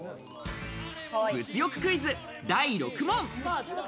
物欲クイズ第６問。